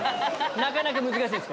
なかなか難しいです。